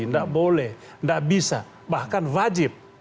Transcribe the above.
nggak boleh nggak bisa bahkan wajib